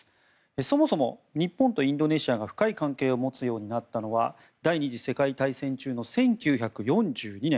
そもそも日本とインドネシアが深い関係を持つようになったのは第２次世界大戦中の１９４２年。